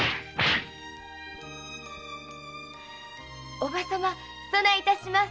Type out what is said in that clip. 伯母様そない致します。